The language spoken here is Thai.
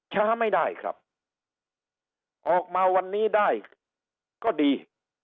ช้าไม่ได้ครับออกมาวันนี้ได้ก็ดี